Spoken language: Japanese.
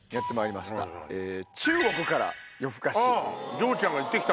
徐ちゃんが行ってきた？